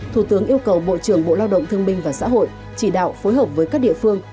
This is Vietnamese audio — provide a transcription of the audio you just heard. thủ tướng yêu cầu bộ trưởng bộ lao động thương minh và xã hội chỉ đạo phối hợp với các địa phương